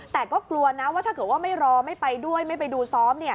แต่ก็กลัวนะว่าถ้าเกิดว่าไม่รอไม่ไปด้วยไม่ไปดูซ้อม